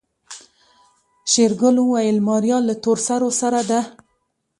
شېرګل وويل ماريا له تورسرو سره ده.